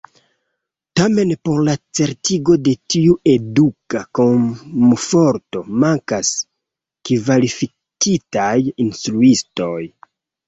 Tamen, por la certigo de tiu eduka komforto mankas kvalifikitaj instruistoj.